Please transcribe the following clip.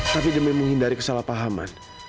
tapi demi menghindari kesalahpahaman